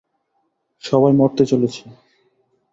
সবাই মরতে চলেছি।